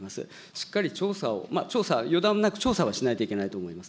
しっかり調査を、調査を予断なく、調査をしなくてはいけないと思います。